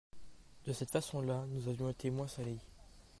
De cette façon-là nous avions été moins salis.